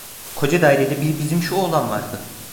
Koca dairede bir bizim şu oğlan vardı.